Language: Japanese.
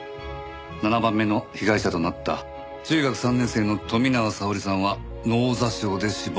７番目の被害者となった中学３年生の富永沙織さんは脳挫傷で死亡。